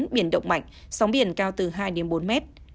biển động mạnh sóng biển cao từ hai đến bốn mét